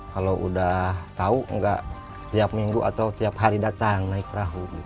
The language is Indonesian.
kalau udah tahu nggak tiap minggu atau tiap hari datang naik perahu